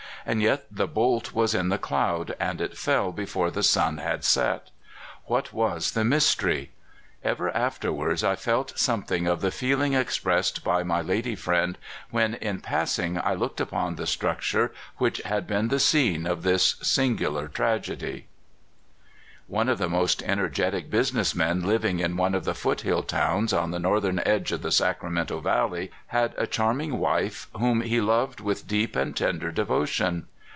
And yet the bolt was in the cloud, and it fell before the sun had set! What was the mystery? Ever afterwards I felt something of the feeling expressed by my lady friend when, in passing, I looked upon the structure which had been the scene of this singular tragedy. 236 CALIFORNIA SKETCHES. One of the most energetic business men living in one of the foothill towns, on the northern edge of the Sacramento Valley, had a charming wife, whom he loved with deep and tender devotion.